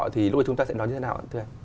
thì lúc này chúng ta sẽ nói như thế nào ạ